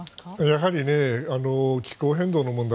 やはり気候変動の問題